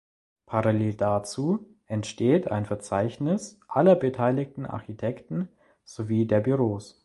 Parallel dazu entsteht ein Verzeichnis aller beteiligten Architekten sowie der Büros.